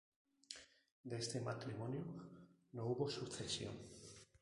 De este matrimonio no hubo sucesión.